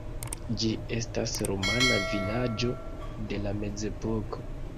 Ĝi estas rumana vilaĝo de la mezepoko.